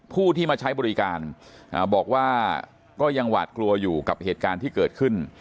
ผู้ที่มาใช้บริการบอกว่าก็ยังหวาดกลัวอยู่กับเหตุการณ์ที่เกิดขึ้น